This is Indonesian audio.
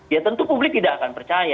ya tentu publik tidak akan percaya